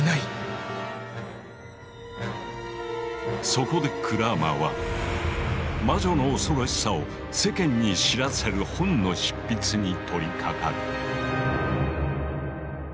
そこでクラーマーは魔女の恐ろしさを世間に知らせる本の執筆に取りかかる。